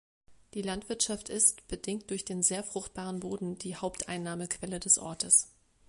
Die Landwirtschaft ist, bedingt durch den sehr fruchtbaren Boden, die Haupteinnahmequelle des Ortes.